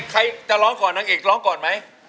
ใครจะร้องก่อนนางเอกร้องก่อนไหม